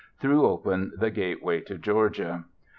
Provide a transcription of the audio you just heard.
threw open the gateway to Georgia.